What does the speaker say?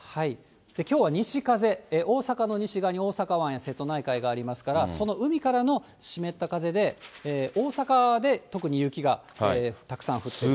きょうは西風、大阪の西側に大阪湾や瀬戸内海がありますから、その海からの湿った風で、大阪で特に雪がたくさん降っていると。